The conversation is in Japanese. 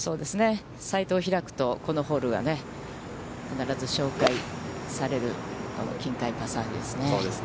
サイトを開くと、このホールが必ず紹介される、琴海パサージュですね。